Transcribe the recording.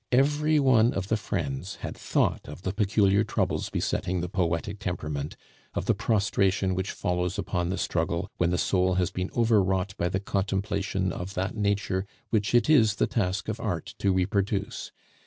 Every one of the friends had thought of the peculiar troubles besetting the poetic temperament, of the prostration which follows upon the struggle, when the soul has been overwrought by the contemplation of that nature which it is the task of art to reproduce.